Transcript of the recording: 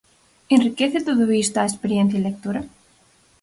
Enriquece todo isto a experiencia lectora?